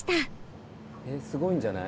えっすごいんじゃない？